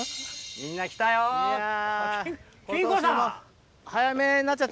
みんな来たよー。